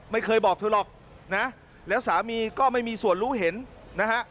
ไม่เคยบอกเธอหรอกนะแล้วสามีก็ไม่มีส่วนรู้เห็นนะฮะ